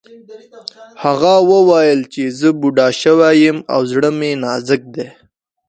هغه وویل چې زه بوډا شوی یم او زړه مې نازک دی